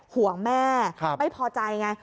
ห่วงแม่ไม่พอใจไง